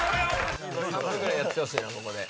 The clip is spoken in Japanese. ３分ぐらいやっててほしいなここで。